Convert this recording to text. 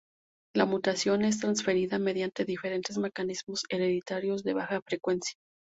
La mutación es transferida mediante diferentes mecanismos hereditarios de baja frecuencia.